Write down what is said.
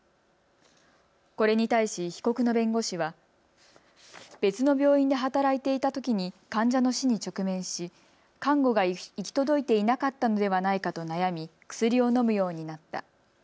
これに対し、被告の弁護士は別の病院で働いていたときに患者の死に直面し看護が行き届いていなかったのではないかと悩み薬を飲むようになった。